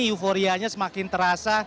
euforianya semakin terasa